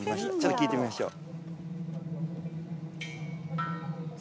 聞いてみましょう。